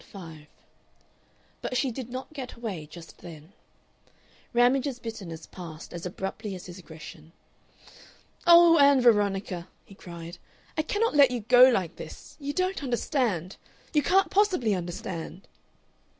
Part 5 But she did not get away just then. Ramage's bitterness passed as abruptly as his aggression. "Oh, Ann Veronica!" he cried, "I cannot let you go like this! You don't understand. You can't possibly understand!"